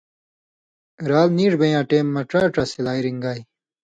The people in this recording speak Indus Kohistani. رال نیڙ بېن٘یاں ٹیم مہ ڇا ڇا سلائ رِݩگائ۔